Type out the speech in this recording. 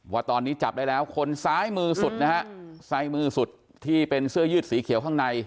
ว่าตอนนี้จับได้แล้วคนซ้ายมือสุดนะฮะซ้ายมือสุดที่เป็นเสื้อยืดสีเขียวข้างใน